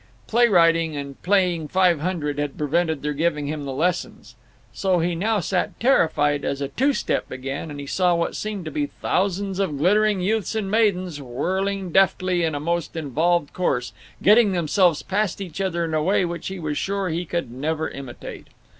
Playwriting and playing Five Hundred had prevented their giving him the lessons. So he now sat terrified as a two step began and he saw what seemed to be thousands of glittering youths and maidens whirling deftly in a most involved course, getting themselves past each other in a way which he was sure he could never imitate.